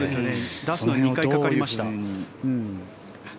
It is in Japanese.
出すのに２回かかりました。